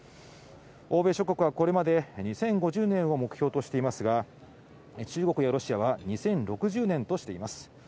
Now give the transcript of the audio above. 欧米諸国はこれまで２０５０年を目標としていますが中国やロシアは２０６０年としています。